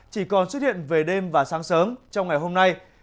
chỉ còn xuất hiện về đêm và sáng sớm trong ngày hôm nay